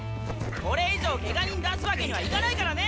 これ以上ケガ人出すわけにはいかないからね！